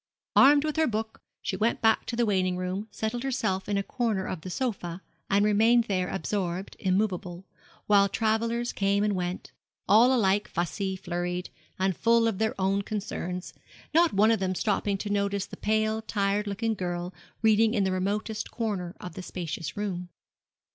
Armed with her book, she went back to the waiting room, settled herself in a corner of the sofa, and remained there absorbed, immovable; while travellers came and went, all alike fussy, flurried, and full of their own concerns not one of them stopping to notice the pale, tired looking girl reading in the remotest corner of the spacious room.